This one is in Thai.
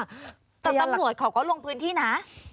รับประโยชน์เขาก็ลงพื้นที่นะ